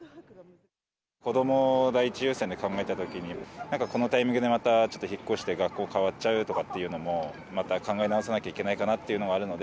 子ども第一優先で考えたときに、なんかこのタイミングでまたちょっと引っ越して学校変わっちゃうっていうのも、また考え直さなきゃいけないのかなっていうのもあるので。